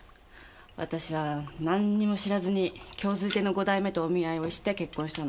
私は何にも知らずに京粋亭の５代目とお見合いをして結婚したの。